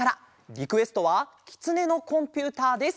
リクエストは「きつねのコンピューター」です。